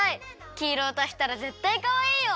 きいろをたしたらぜったいかわいいよ！